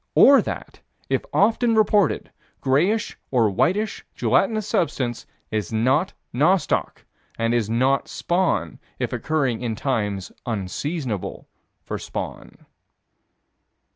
Or that, if often reported, grayish or whitish gelatinous substance is not nostoc, and is not spawn if occurring in times unseasonable for spawn.